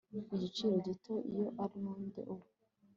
Igiciro gito Iyo almonde ubu